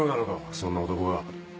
そんな男が。